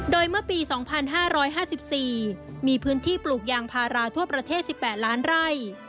โดยเมื่อปี๒๕๕๔มีพื้นที่ปลูกยางพาราทั่วประเทศ๑๘ล้านไร่